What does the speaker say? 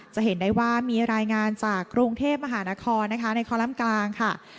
จะเห็นได้ว่ามีรายงานจากกรุงเทพฯมหานครในคอลัมกลาง